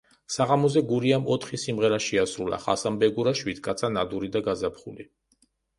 საღამოზე „გურიამ“ ოთხი სიმღერა შეასრულა: „ხასანბეგურა“, „შვიდკაცა“, „ნადური“ და „გაზაფხული“.